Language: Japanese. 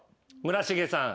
村重さん。